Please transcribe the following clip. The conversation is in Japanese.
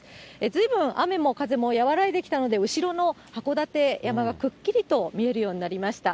ずいぶん雨も風も和らいできたので、後ろの函館山が、くっきりと見えるようになりました。